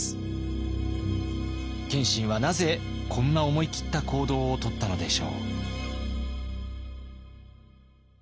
謙信はなぜこんな思い切った行動をとったのでしょう？